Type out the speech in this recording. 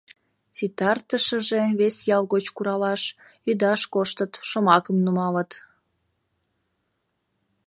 Ситартышыже, вес ял гоч куралаш, ӱдаш коштыт, шомакым нумалыт.